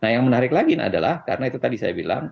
dan yang terbaik lagi adalah karena itu tadi saya bilang